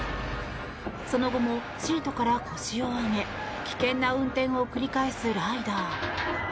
その後もシートから腰を上げ危険な運転を繰り返すライダー。